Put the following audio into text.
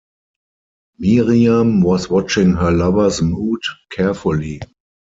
Miriam was watching her lover’s mood carefully.